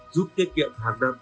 giúp tiết kiệm hàng năm